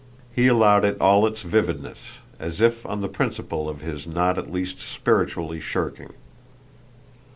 He allowed it all its vividness, as if on the principle of his not at least spiritually shirking.